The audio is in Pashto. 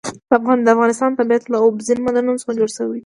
د افغانستان طبیعت له اوبزین معدنونه څخه جوړ شوی دی.